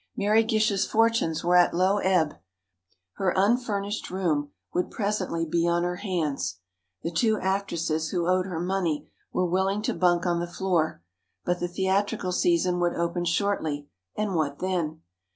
Mary Gish's fortunes were at low ebb. Her unfurnished room would presently be on her hands. The two actresses, who owed her money, were willing to bunk on the floor, but the theatrical season would open shortly, and what then?